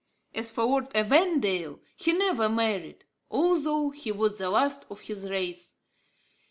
As for Lord Evandale, he never married, although he was the last of his race.